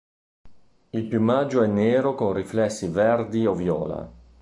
Il piumaggio è nero con riflessi verdi o viola.